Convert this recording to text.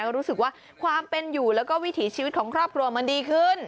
ก็รู้สึกว่าความเป็นอยู่แล้วก็วิถีชีวิตของครอบครัวมันดีขึ้น